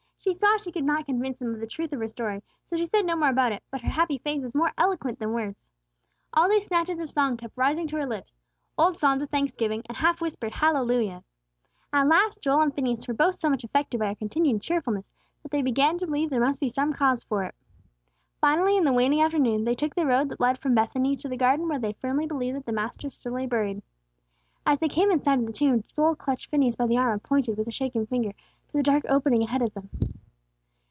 She saw she could not convince them of the truth of her story, so she said no more about it; but her happy face was more eloquent than words. All day snatches of song kept rising to her lips, old psalms of thanksgiving, and half whispered hallelujahs. At last Joel and Phineas were both so much affected by her continued cheerfulness, that they began to believe there must be some great cause for it. Finally, in the waning afternoon, they took the road that led from Bethany to the garden where they firmly believed that the Master still lay buried. As they came in sight of the tomb, Joel clutched Phineas by the arm, and pointed, with a shaking finger, to the dark opening ahead of of them.